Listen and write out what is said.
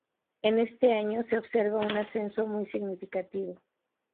En este año se observa un ascenso muy significativo.